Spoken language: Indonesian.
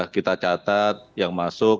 kita catat yang masuk